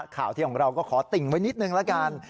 ข่าวของเราก็ขอติ่งไว้นิดหนึ่งละกัน